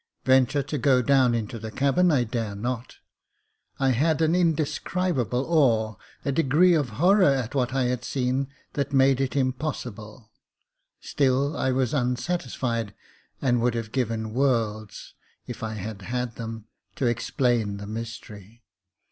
Venture to go down into the cabin I dare not. I had an indescribable awe, a degree of horror at what I had seen, that made it impossible •, still I was unsatisfied, and would have given worlds, if I had had them, to explain the mystery.